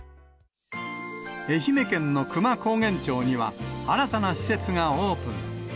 愛媛県の久万高原町には、新たな施設がオープン。